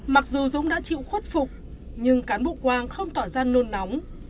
mặc dù dũng đã chịu khuất phục nhưng cán bộ quang không tỏ ra nôn nóng